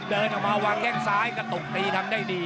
เดินออกมาวางแข้งซ้ายกระตุกตีทำได้ดี